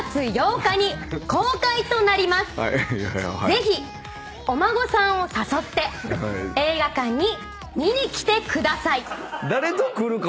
ぜひお孫さんを誘って映画館に見に来てください。